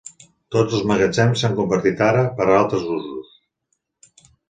Tots els magatzems s'han convertit ara per a altres usos.